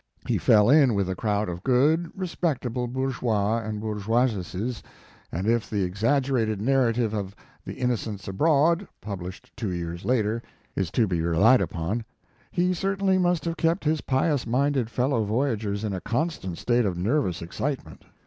He fell in with a crowd of good, respectable Bourgeois and Bour geoises, and if the exaggerated narrative of the "Innocents Abroad," published two years later, is to be relied upon, he certainly must have kept his pious minded fellow voyagers in a constant state of nervous excitement.